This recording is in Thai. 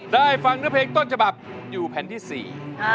ได้ฟังเพลงต้นฉบับอยู่แผ่นที่๔